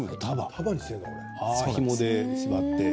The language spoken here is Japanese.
ひもで縛って？